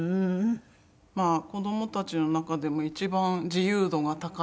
まあ子どもたちの中でも一番自由度が高いというか。